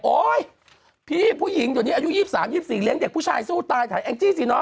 โอ๊ยพี่ผู้หญิงตอนนี้อายุ๒๓๒๔เลี้ยงเด็กผู้ชายสู้ตายไทยแอ้งจี้สิเนอะ